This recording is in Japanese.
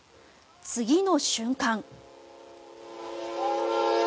次の瞬間。